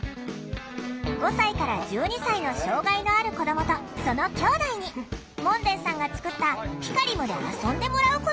５歳から１２歳の障害のある子どもとそのきょうだいに門前さんが作ったピカリムで遊んでもらうことに。